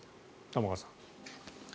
玉川さん。